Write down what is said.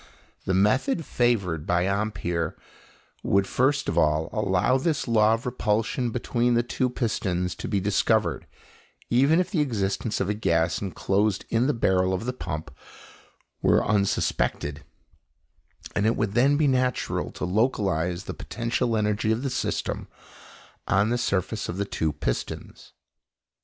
The method favoured by Ampère would first of all allow this law of repulsion between the two pistons to be discovered, even if the existence of a gas enclosed in the barrel of the pump were unsuspected; and it would then be natural to localize the potential energy of the system on the surface of the two pistons.